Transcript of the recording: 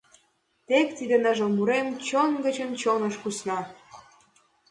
Тек тиде ныжыл мурем Чон гычын чоныш кусна.